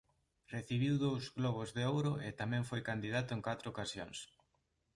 Recibiu dous Globos de Ouro e tamén foi candidato en catro ocasións.